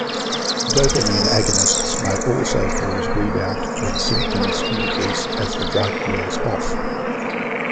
Dopamine agonists may also cause rebound when symptoms increase as the drug wears off.